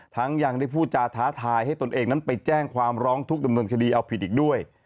ยังได้พูดจาท้าทายให้ตนเองนั้นไปแจ้งความร้องทุกข์ดำเนินคดีเอาผิดอีกด้วย